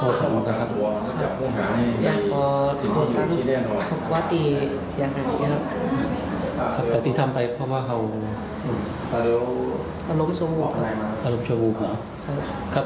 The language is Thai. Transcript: ส่วนแม่ของอดีตภรรยานายวุฒิชัยนะครับ